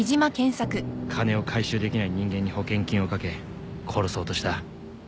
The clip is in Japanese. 金を回収できない人間に保険金を掛け殺そうとした。